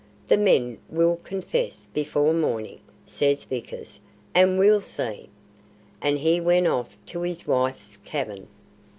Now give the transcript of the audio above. "The men will confess before morning," says Vickers, "and we'll see." And he went off to his wife's cabin.